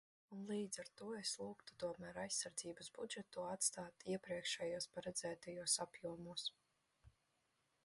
Un līdz ar to es lūgtu tomēr aizsardzības budžetu atstāt iepriekšējos paredzētajos apjomos.